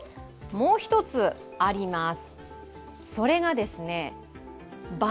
もう一つあります。